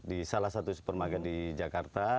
di salah satu supermarket di jakarta